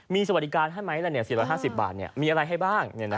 มีสวัสดิการให้ไหม๔๕๐บาทมีอะไรให้บ้าง